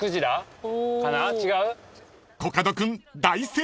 ［コカド君大正解］